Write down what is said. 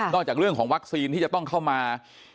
จากเรื่องของวัคซีนที่จะต้องเข้ามา